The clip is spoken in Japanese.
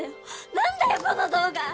なんだよこの動画！